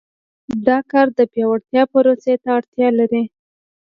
دا کار د پیاوړتیا پروسې ته اړتیا لري.